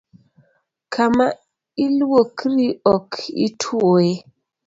Kama iluokri ok ituoye